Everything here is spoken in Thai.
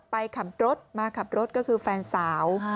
ไปขับรถมาขับรถก็คือแฟนสาว